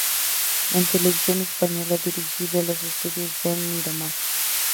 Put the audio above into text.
En Televisión española dirigió los Estudios de Miramar.